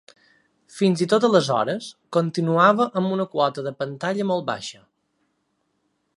Fins i tot aleshores, continuava amb una quota de pantalla molt baixa.